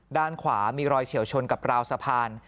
ด้านขวามีรอยเฉียวชนกับราวสะพาน